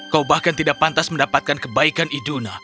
kau bahkan tidak pantas mendapatkan kebaikan iduna